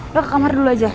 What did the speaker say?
udah ke kamar dulu aja